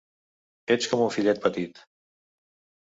Ets com un fillet petit.